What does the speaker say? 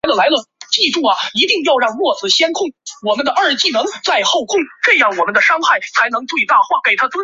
葱头小浪花介为小浪花介科小浪花介属下的一个种。